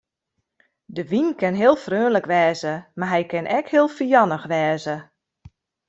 De wyn kin heel freonlik wêze mar hy kin ek heel fijannich wêze.